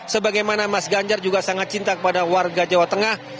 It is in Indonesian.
sebagaimana mas ganjar juga sangat cinta kepada warga jawa tengah